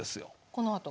このあと？